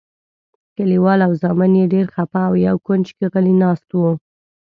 کلیوال او زامن یې ډېر خپه او یو کونج کې غلي ناست وو.